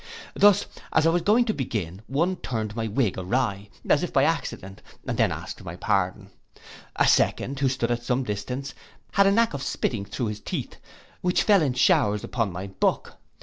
Thus, as I was going to begin, one turned my wig awry, as if by accident, and then asked my pardon. A second, who stood at some distance, had a knack of spitting through his teeth, which fell in showers upon my book.